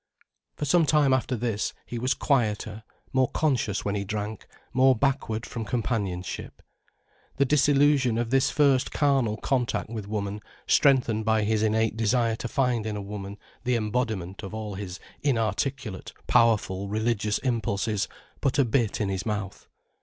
For some time after this, he was quieter, more conscious when he drank, more backward from companionship. The disillusion of his first carnal contact with woman, strengthened by his innate desire to find in a woman the embodiment of all his inarticulate, powerful religious impulses, put a bit in his mouth.